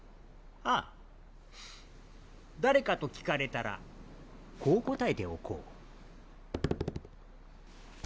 ああ誰かと聞かれたらこう答えておこう。